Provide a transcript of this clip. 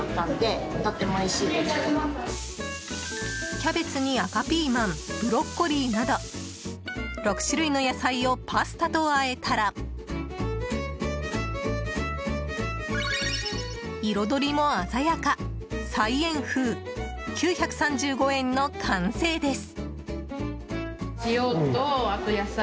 キャベツに赤ピーマンブロッコリーなど６種類の野菜をパスタと和えたら彩りも鮮やか菜園風、９３５円の完成です。